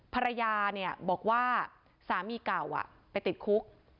ภรรยาเนี่ยบอกว่าสามีเก่าไปติดคุก